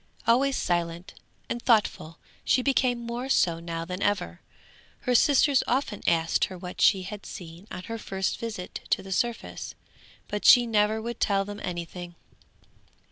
Always silent and thoughtful, she became more so now than ever. Her sisters often asked her what she had seen on her first visit to the surface, but she never would tell them anything.